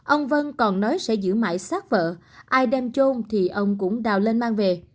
ông vân còn nói sẽ giữ mãi sát vợ ai đem chôn thì ông cũng đào lên mang về